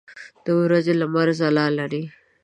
د ورځې لمر ځلا لري.